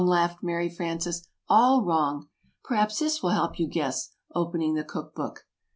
laughed Mary Frances. "All wrong! Perhaps this will help you guess" opening the cook book.